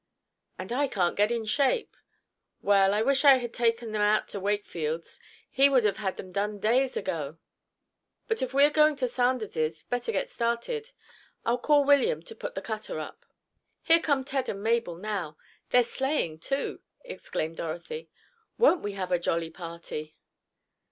"And I can't get in shape. Well, I wish I had taken them out to Wakefield's. He would have had them done days ago. But if we are going to Sanders's, better get started. I'll call William to put the cutter up." "Here come Ted and Mabel now. They're sleighing, too," exclaimed Dorothy. "Won't we have a jolly party!"